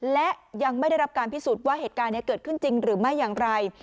และยังไม่ได้รับการพิสูจน์ว่าเหตุการณ์นี้เกิดขึ้นจริงหรือไม่อย่างไร